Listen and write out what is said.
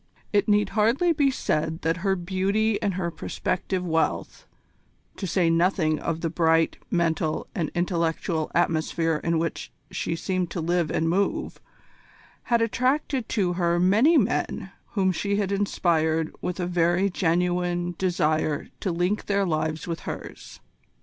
It need hardly be said that her beauty and her prospective wealth, to say nothing of the bright, mental, and intellectual atmosphere in which she seemed to live and move, had attracted to her many men whom she had inspired with a very genuine desire to link their lives with hers.